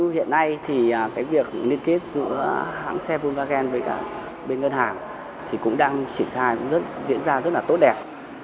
hiện nay việc liên kết giữa hãng xe volkswagen với ngân hàng cũng đang triển khai diễn ra rất tốt đẹp